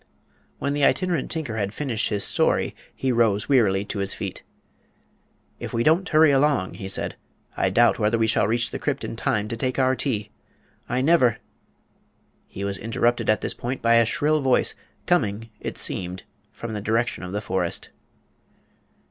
When the Itinerant Tinker had finished his story he rose wearily to his feet. "If we don't hurry along," he said, "I doubt whether we shall reach the Crypt in time to take our tea. I never " He was interrupted at this point by a shrill voice, coming, it seemed, from the direction of the forest.